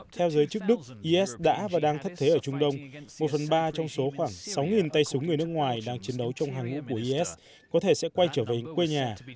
theo giới chức đức is đã và đang thất thế ở trung đông một phần ba trong số khoảng sáu tay súng người nước ngoài đang chiến đấu trong hàng ngũ của is có thể sẽ quay trở về quê nhà